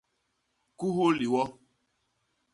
Kuhul liwo.